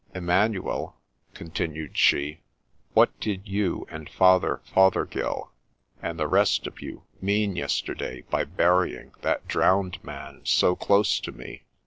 ' Emmanuel,' continued she, ' what did you and Father Fothergill, and the rest of you, mean yesterday by burying that drowned man so close to me